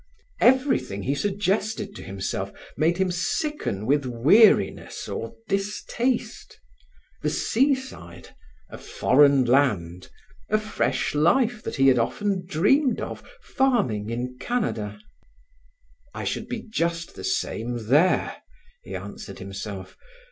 Everything he suggested to himself made him sicken with weariness or distaste: the seaside, a foreign land, a fresh life that he had often dreamed of, farming in Canada. "I should be just the same there," he answered himself.